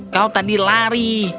kau tadi lari